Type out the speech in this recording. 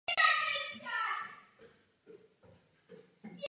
Hnutí Hamás sleduje dva protichůdné cíle.